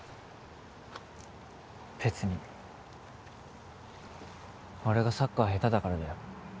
別に俺がサッカーヘタだからだよ